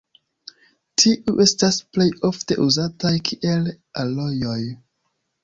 Tiuj estas plej ofte uzataj kiel alojoj.